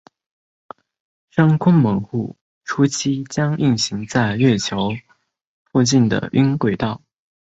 深空门户初期将运行在月球附近的晕轨道。